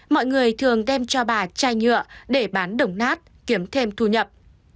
mọi người thường đem cho bà chai nhựa để bán đồng nát kiếm thêm thu nhập